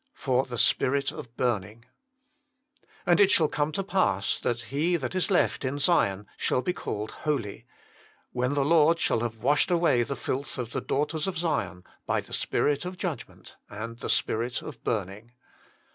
|For Iljc Spirit of " And it shall come to pass, that he that is left in Zion shall be called holy : when the Lord shall have washed away the filth of the daughters of Zion, by the spirit of judgment and the spirit of burning."